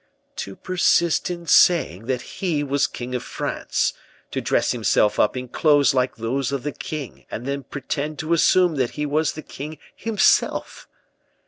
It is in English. "To persist in saying that he was king of France; to dress himself up in clothes like those of the king; and then pretend to assume that he was the king himself."